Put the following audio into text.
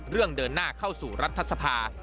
เรื่องเดินหน้าเข้าสู่รัฐศพาส์